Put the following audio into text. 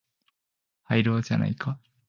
入ろうじゃないか